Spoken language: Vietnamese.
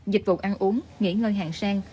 dịch vụ ăn uống nghỉ ngơi hàng sang